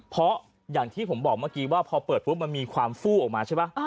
เพราะอย่างที่ผมบอกเมื่อกี้ว่าพอเปิดปุ๊บมันมีความฟู้ออกมาใช่ไหม